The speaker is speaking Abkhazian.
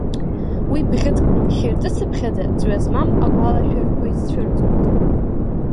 Уи бӷьыцк хиртыцыԥхьаӡа ҵҩа змам агәалашәарақәа изцәырҵуеит.